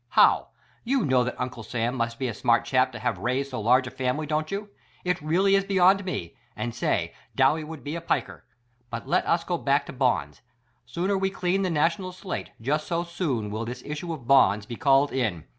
How? You know that Uncle Sam must be a smart chap to have raised so large a family, don't you? It really is beyond me — and, say— Dowie would be a piker! But letus go back to bonds. Sooner we clean the national slate just so soon will this issue of bonds be called in.